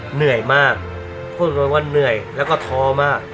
เหนื่อยมากพูดไว้ว่าเหนื่อยแล้วก็ท้อมาก